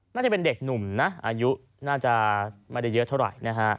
น่าจะเป็นเด็กหนุ่มอายุไม่ได้เยอะเท่าไร